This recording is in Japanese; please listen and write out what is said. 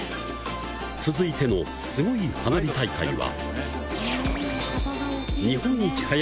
続いてのスゴい花火大会は。